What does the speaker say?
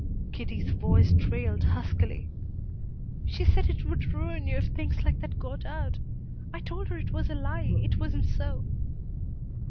Kitty's voice trailed huskily. "She said it would ruin you if things like that got out. I told her it was a lie it wasn't so."